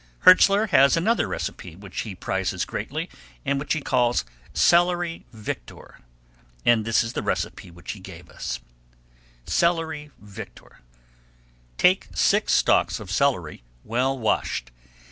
Hertzler has another recipe which he prizes greatly and which he calls "Celery Victor," and this is the recipe which he gave us: Celery Victor Take six stalks of celery well washed.